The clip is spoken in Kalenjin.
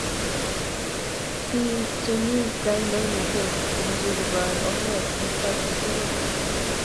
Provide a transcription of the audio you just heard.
Biik che me kaintoinate komeche koboru ore ang saisie tugul.